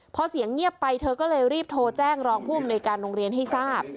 พอเสียงเงียบไปเธอก็เลยรีบโทรแจ้งรองผู้อำนวยการโรงเรียนให้ทราบ